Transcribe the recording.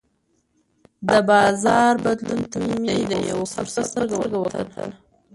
د بازار بدلون ته مې د یوه فرصت په سترګه وکتل.